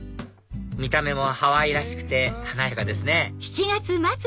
見た目もハワイらしくて華やかですね